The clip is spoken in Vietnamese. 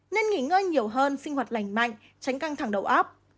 nên nghỉ ngơi nhiều hơn sinh hoạt lành mạnh tránh căng thẳng đầu áp